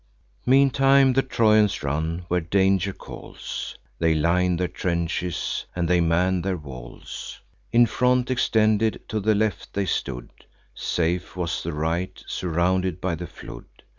Meantime the Trojans run, where danger calls; They line their trenches, and they man their walls. In front extended to the left they stood; Safe was the right, surrounded by the flood.